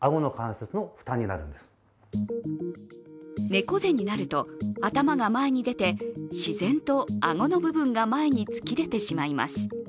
猫背になると、頭が前に出て、自然と顎の部分が前に突き出てしまいます。